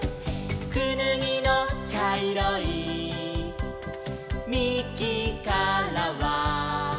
「くぬぎのちゃいろいみきからは」